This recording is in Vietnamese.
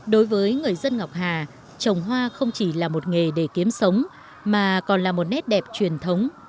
đối với người dân ngọc hà trồng hoa không chỉ là một nghề để kiếm sống mà còn là một nét đẹp truyền thống